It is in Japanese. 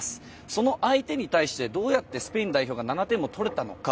その相手に対してどうやってスペイン代表が７点も取れたのか。